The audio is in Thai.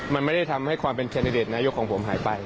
มันไม่ได้ทำให้ความเป็นแคนดิเดตนายกของผมหายไป